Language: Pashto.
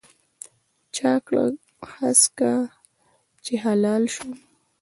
چا کړم هسکه چې هلال شوم